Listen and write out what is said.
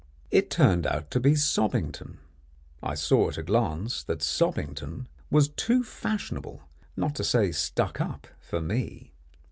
It turned out to be Sobbington. I saw at a glance that Sobbington was too fashionable, not to say stuck up for me.